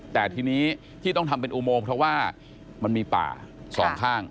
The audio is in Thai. แต่ทีนี้ที่ต้องทำเป็นอุโมงเพราะว่ามันมีป่าสองข้าง